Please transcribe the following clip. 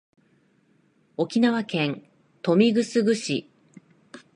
沖縄県豊見城市